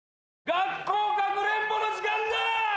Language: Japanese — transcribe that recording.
学校かくれんぼの時間だ！